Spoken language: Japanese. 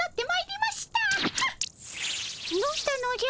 どうしたのじゃ？